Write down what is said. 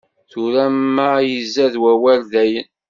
Tura ma izad wawal dayen.